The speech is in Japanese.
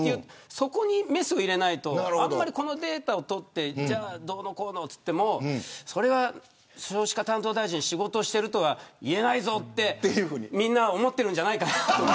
そこにメスを入れないとこのデータを取ってどうのこうのと言ってもそれは少子化担当大臣仕事をしているとは言えないぞとみんな思っているんじゃないかな。